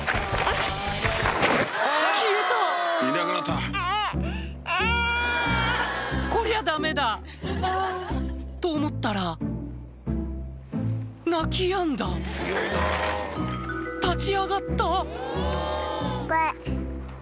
消えた⁉こりゃダメだ！と思ったら泣きやんだ立ち上がった！